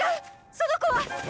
その子は。